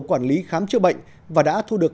quản lý khám chữa bệnh và đã thu được